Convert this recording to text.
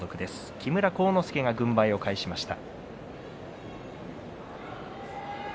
木村晃之助が軍配を返しました。